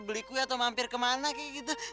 beli kue atau mampir kemana kayak gitu